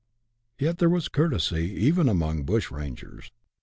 Yet there was courtesy even among bushrangers.